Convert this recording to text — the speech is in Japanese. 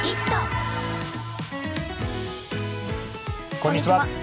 こんにちは。